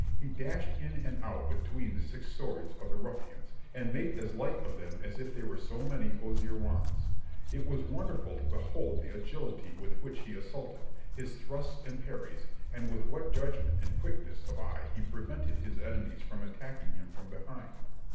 He dashed in and out between the six swords of the ruffians, and made as light of them as if they were so many osier wands. It was wonderful to behold the agility with which he assaulted, his thrusts and parries, and with what judgment and quickness of eye he prevented his enemies from attacking him from behind.